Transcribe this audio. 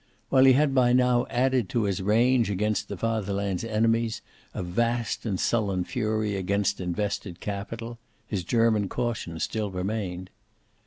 While he had by now added to his rage against the Fatherland's enemies a vast and sullen fury against invested capital, his German caution still remained.